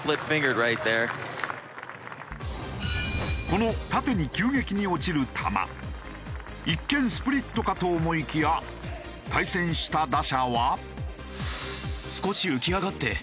この縦に一見スプリットかと思いきや対戦した打者は。